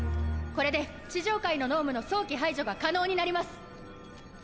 これで地上階の脳無の早期排除が可能になります。